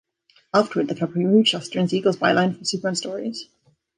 Afterward, the company removed Shuster and Siegel's byline from Superman stories.